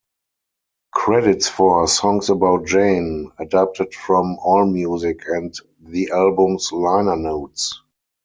Credits for "Songs About Jane" adapted from AllMusic and the album's liner notes.